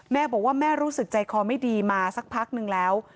แม่บอกว่าแม่รู้สึกใจคอไม่ดีมาสักพักนึงแล้ว